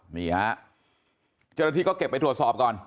นี่ฮะเจรฐีก็เก็บไปทดสอบก่อน